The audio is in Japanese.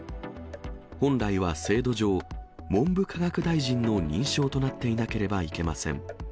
本来は制度上、文部科学大臣の認証となっていなければいけません。